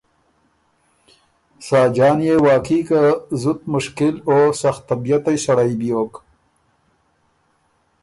ساجان يې واقعي که زُت مشکِل او سختطبعئ سړئ بیوک۔